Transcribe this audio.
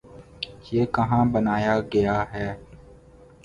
یہ کہاں بنایا گیا ہے؟